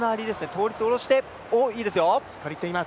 倒立を下ろして、いいですね。